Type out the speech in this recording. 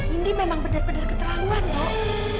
ini memang bener bener keterlaluan dok